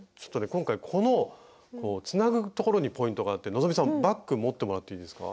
今回このつなぐところにポイントがあって希さんバッグ持ってもらっていいですか？